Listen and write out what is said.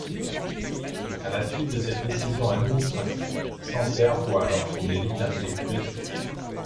À la suite de cette décision administrative, Sancerre voit alors son élite intellectuelle fuir.